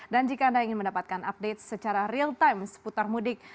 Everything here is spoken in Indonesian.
dan jika anda ingin mendapatkan update secara real time seputar mudik